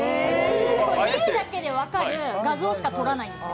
見るだけで分かる画像しか撮らないんですよ。